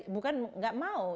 bukan nggak mau